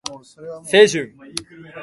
여러분안녕하세요